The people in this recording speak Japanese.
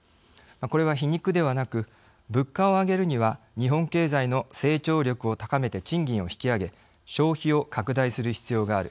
これは、皮肉ではなく物価を上げるには日本経済の成長力を高めて賃金を引き上げ消費を拡大する必要がある。